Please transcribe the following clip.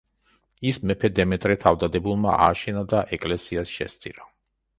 ის მეფე დემეტრე თავდადებულმა ააშენა და ეკლესიას შესწირა.